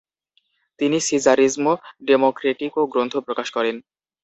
তিনি সিজারিজমো ডেমোক্রেটিকো গ্রন্থ প্রকাশ করেন।